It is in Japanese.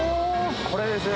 これですよ。